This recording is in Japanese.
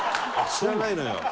知らないのよ。